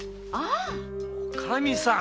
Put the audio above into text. おかみさん